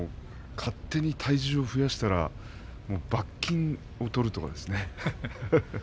勝手に体重を増やしたら罰金を取るとかですね。